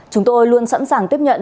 chúng tôi luôn sẵn sàng tiếp nhận